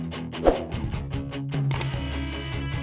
badai apakah tau kau notre queue